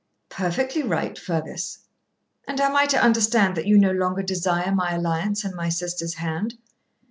'Perfectly right, Fergus.' 'And am I to understand that you no longer desire my alliance and my sister's hand?'